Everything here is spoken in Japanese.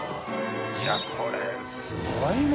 いやこれすごいな。